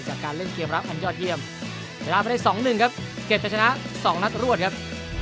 จากการเล่นเกมรับอันยอดเยี่ยมเวลาไปได้๒๑ครับเก็บจะชนะ๒นัดรวดครับ